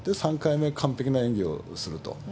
３回目、完璧な演技をすると。